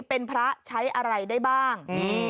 เป็นพระใช้อะไรได้บ้าง